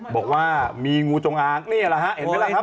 บอกว่ามีงูจงอางนี่แหละฮะเห็นไหมล่ะครับ